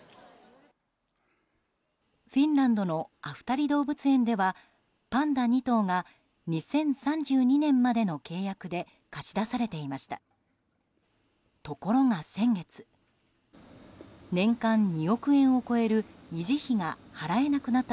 フィンランドのアフタリ動物園ではパンダ２頭が２０３２年までの契約で貸し出されていました。